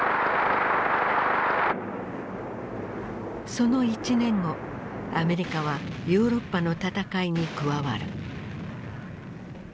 その１年後アメリカはヨーロッパの戦いに加わる。